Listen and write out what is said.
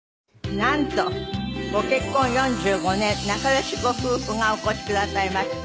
なんとご結婚４５年仲良しご夫婦がお越しくださいました。